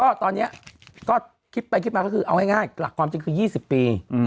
ก็ตอนนี้คิดไปก็คือเอาง่ายความจริงคือ๒๐ปี